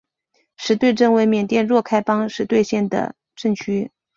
实兑镇为缅甸若开邦实兑县的镇区。